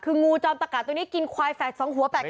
คู่งูจอมตะกะควายแฝดสองหัวแปดขา